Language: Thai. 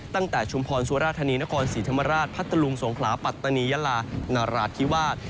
ชุมพรสุราธานีนครศรีธรรมราชพัทธลุงสงขลาปัตตานียาลานราธิวาส